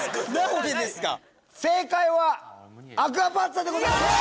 正解はアクアパッツァでございます。